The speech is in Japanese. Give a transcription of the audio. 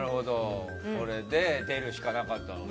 これで出るしかなかったのね。